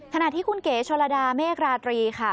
ขณะที่คุณเก๋ชนระดาเมฆราตรีค่ะ